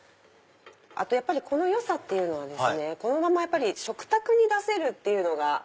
このよさっていうのはこのまま食卓に出せるっていうのが。